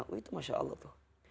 wah itu masya allah tuh